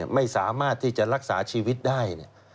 ไม่สามารถที่จะรักษาชีวิตได้